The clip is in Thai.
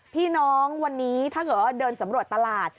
พี่น้องวันนี้ถ้าเกิดว่าเดินสำรวจตลาด